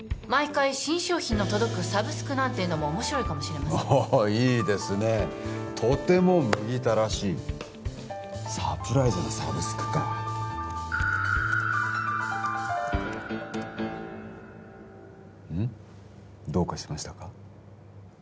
毎回新商品の届くサブスクなんていうのも面白いかもしれませんああいいですねとても麦田らしいサプライズなサブスクかうん？どうかしましたか？